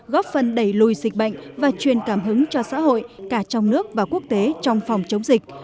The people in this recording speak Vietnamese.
góp phần đẩy lùi dịch bệnh và truyền cảm hứng cho xã hội cả trong nước và quốc tế trong phòng chống dịch